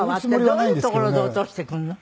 どういう所で落としてくるの？